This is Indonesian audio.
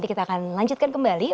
sekarang saya lanjutkan kembali